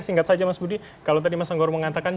singkat saja mas budi kalau tadi mas anggoro mengatakan